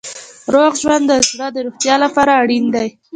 روغ ژوند د زړه د روغتیا لپاره اړین دی.